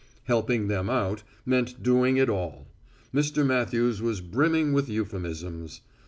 "Helping them out" meant doing it all. Mr. Matthews was brimming with euphemisms.